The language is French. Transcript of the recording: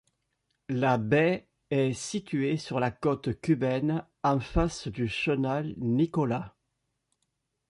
La baie est située sur la côte cubaine, en face du chenal Nicholas.